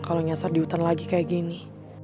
kalau nyasar di hutan lagi kayak gini